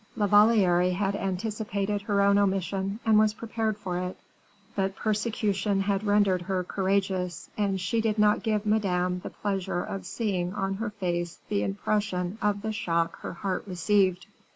La Valliere had anticipated her own omission, and was prepared for it: but persecution had rendered her courageous, and she did not give Madame the pleasure of seeing on her face the impression of the shock her heart received.